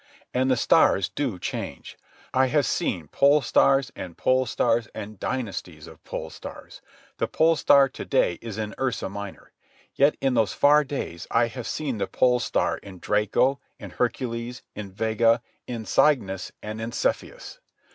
And the stars do change. I have seen pole stars and pole stars and dynasties of pole stars. The pole star to day is in Ursa Minor. Yet, in those far days I have seen the pole star in Draco, in Hercules, in Vega, in Cygnus, and in Cepheus.